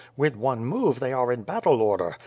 "With one move they are in battle order.